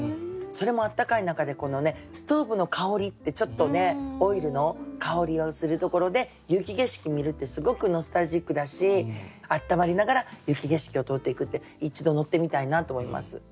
それも暖かい中でストーブの香りってちょっとねオイルの香りをするところで雪景色見るってすごくノスタルジックだし暖まりながら雪景色を通っていくって一度乗ってみたいなと思います。